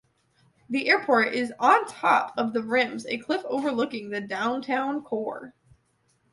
The airport is on top of the Rims, a cliff overlooking the downtown core.